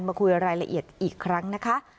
มาคุยรายละเอียดอีกครั้งนะคะ